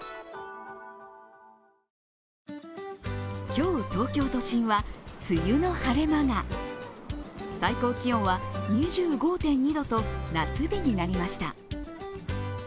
今日、東京都心は梅雨の晴れ間が最高気温は２５．２度と夏日になりました。